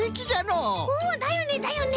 うんだよねだよね！